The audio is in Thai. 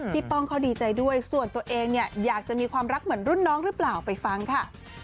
ป้องเขาดีใจด้วยส่วนตัวเองเนี่ยอยากจะมีความรักเหมือนรุ่นน้องหรือเปล่าไปฟังค่ะ